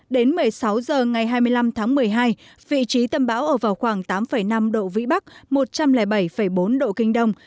đến một mươi sáu h ngày hai mươi năm tháng một mươi hai vị trí tâm bão ở vào khoảng tám năm độ vĩ bắc một trăm linh bảy bốn độ kinh đông